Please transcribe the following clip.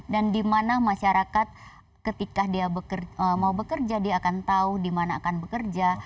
dan dimana masyarakat ketika dia mau bekerja dia akan tahu dimana akan bekerja